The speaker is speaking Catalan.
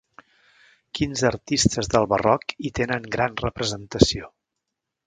Quins artistes del barroc hi tenen gran representació?